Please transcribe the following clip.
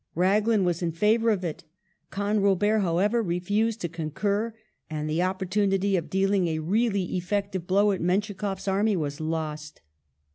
Raglan was in favour of it; Canrobert, however, refused to concur, and the opportunity of dealing a really effective blow at Menschikoffs army was lost.